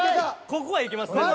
ここはいけます。